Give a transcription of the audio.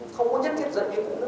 không có nhất thiết dẫn như cũ nữa